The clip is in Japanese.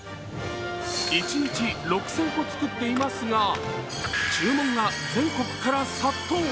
一日６０００個作っていますが、注文が全国から殺到。